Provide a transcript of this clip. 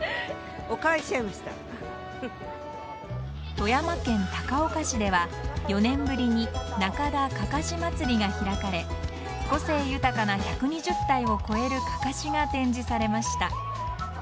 富山県高岡市では４年ぶりに中田かかし祭が開かれ個性豊かな１２０体を超えるかかしが展示されました。